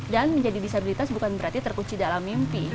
dan menjadi disabilitas bukan berarti terkunci dalam mimpi